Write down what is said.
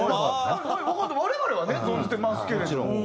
我々はね存じてますけれども。